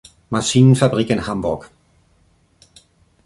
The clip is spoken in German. Maschinenfabrik" in Hamburg.